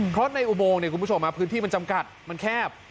เพราะในอุโมงเนี่ยคุณผู้ชมพื้นที่มันจำกัดมันแคบ